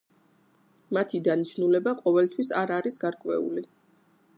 მათი დანიშნულება ყოველთვის არ არის გარკვეული.